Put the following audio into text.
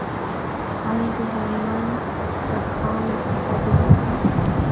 آیا د هلمند رخام صادریږي؟